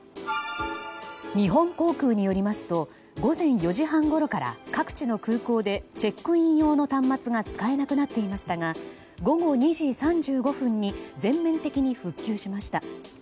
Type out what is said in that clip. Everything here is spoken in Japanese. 日本航空によりますと午前４時半ごろから各地の空港でチェックイン用の端末が使えなくなっていましたが午後２時３５分に全面的に復旧しました。